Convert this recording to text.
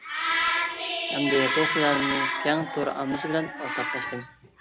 ئەمدى بۇ خىيالىمنى كەڭ تور ئاممىسى بىلەن ئورتاقلاشتىم.